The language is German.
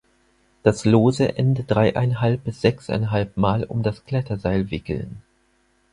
Das lose Ende dreieinhalb bis sechseinhalb mal um das Kletterseil wickeln.